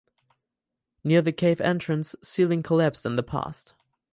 Near the cave entrance ceiling collapsed in the past.